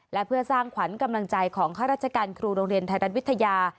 และเพื่อสร้างขวัญกำลังใจของข้าราชการครูโรงเรียนไทยรัฐวิทยา